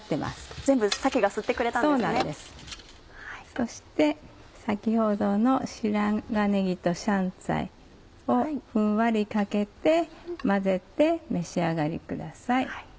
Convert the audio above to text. そして先ほどの白髪ねぎと香菜をふんわりかけて混ぜて召し上がりください。